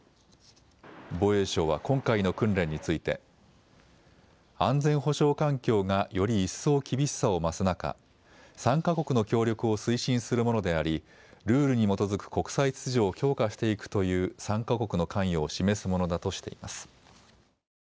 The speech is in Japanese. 防衛省は今回の訓練について安全保障環境がより一層厳しさを増す中、３か国の協力を推進するものであり、ルールに基づく国際秩序を強化していくという３か国の関与を示すものだとしています。